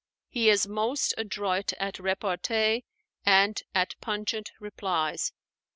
He is most adroit at repartee and at pungent replies.